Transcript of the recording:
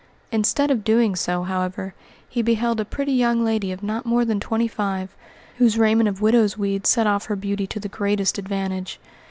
Instead of doing so, however, he beheld a pretty young lady of not more than twenty five, whose raiment of widow's weeds set off her beauty to the greatest advantage.